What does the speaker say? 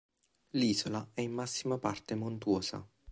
L'isola è in massima parte montuosa.